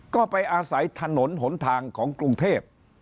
ก็ไปอาศัยถนนหนทางของกรุงเทพ